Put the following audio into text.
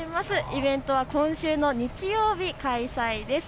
イベントは今週の日曜日開催です。